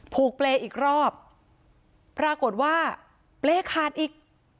ผูกเปล่าอีกรอบปรากฏว่าเปล่าขาดอีก